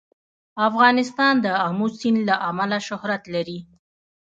افغانستان د آمو سیند له امله شهرت لري.